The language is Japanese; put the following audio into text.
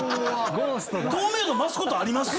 透明度増すことあります